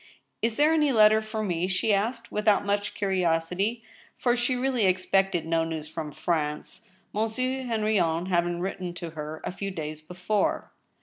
" Is there any letter for me ?" she asked, without much curiosity, for she real ly expected no news from France, Monsieur Henrion having written to her a few days before.